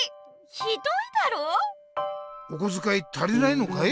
ひどいだろ？おこづかい足りないのかい？